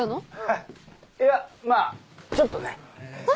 いやまぁちょっとね。は？